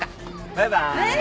バイバイ。